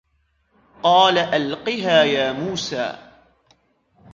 قَالَ أَلْقِهَا يَا مُوسَى